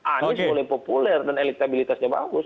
anies mulai populer dan elektabilitasnya bagus